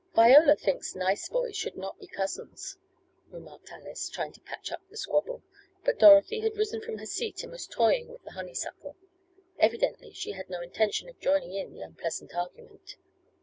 "Viola thinks nice boys should not be cousins," remarked Alice, trying to patch up the squabble. But Dorothy had risen from her seat and was toying with the honeysuckle. Evidently she had no intention of joining in the unpleasant argument.